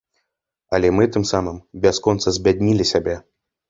Але мы тым самым бясконца збяднілі сябе.